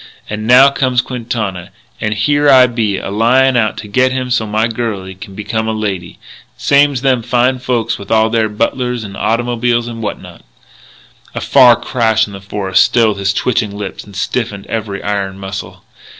And now comes Quintana, and here I be a lyin' out to get him so's my girlie can become a lady, same's them fine folks with all their butlers and automobiles and what not " A far crash in the forest stilled his twitching lips and stiffened every iron muscle.